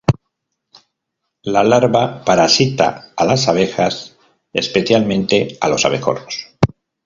La larva parasita a las abejas, especialmente a los abejorros.